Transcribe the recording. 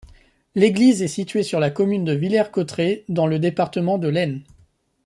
L'église est située sur la commune de Villers-Cotterêts, dans le département de l'Aisne.